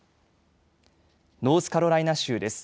ノースカロライナ州です。